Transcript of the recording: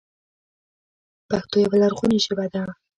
پښتو یوه لرغوني ژبه ده.